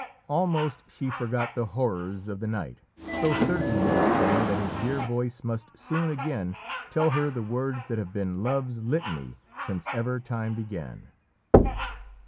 Almost she forgot the horrors of the night, so certain did it seem that his dear voice must soon again tell her the words that have been love's litany since ever time began.